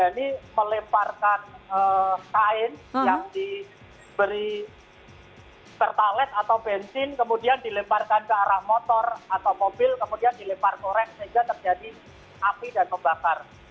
ada yang meleparkan kain yang diberi pertales atau bensin kemudian dileparkan ke arah motor atau mobil kemudian dileparkorek sehingga terjadi api dan kebakar